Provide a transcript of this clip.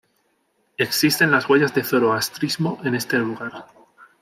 Existen las huellas de Zoroastrismo en este lugar.